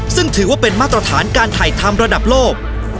ซึ่งถือว่าเป็นมาตรฐานการถ่ายทำระดับโลก